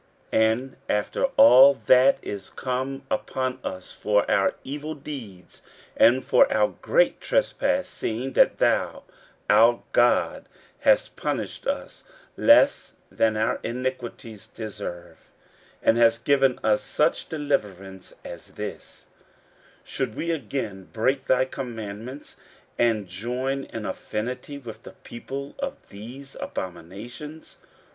15:009:013 And after all that is come upon us for our evil deeds, and for our great trespass, seeing that thou our God hast punished us less than our iniquities deserve, and hast given us such deliverance as this; 15:009:014 Should we again break thy commandments, and join in affinity with the people of these abominations?